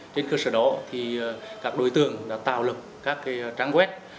trên cơ sở đó các đối tượng đã tạo lực các trang web